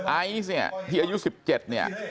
ไอซ์เนี่ยที่อายุ๑๗เนี่ย